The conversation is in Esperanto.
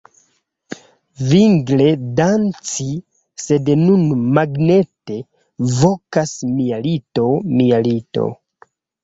Vigle danci sed nun magnete vokas mia lito mia lito